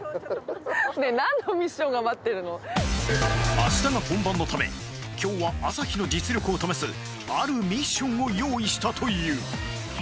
明日が本番のため今日は朝日の実力を試すあるミッションを用意したという